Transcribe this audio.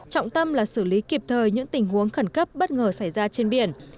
hội thảo sẽ giải quyết kịp thời những tình huống khẩn cấp bất ngờ xảy ra trên biển